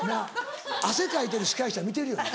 汗かいてる司会者見てるよね？